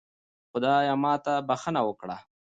خدایا ماته بښنه وکړه